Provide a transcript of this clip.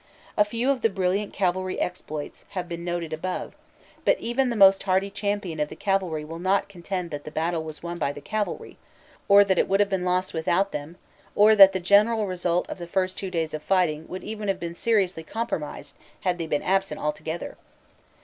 A few of the brilliant cavalry exploits have been noted above, but even the most hardy champion of the cavalry will not contend that the battle was won by the cavalry, or that it would have been lost without them that the general result of the first two day s fighting would even have been seriously compromised had they been absent altogether.